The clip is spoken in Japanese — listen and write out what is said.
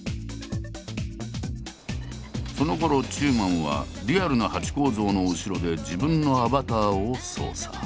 そのころ中馬はリアルなハチ公像の後ろで自分のアバターを操作。